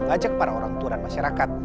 ajak para orang tua dan masyarakat